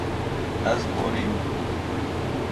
Ez borîm.